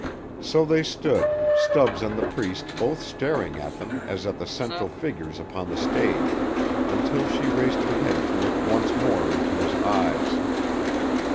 So they stood, Stubbs and the Priest both staring at them as at the central figures upon the stage, until she raised her head to look once more into his eyes.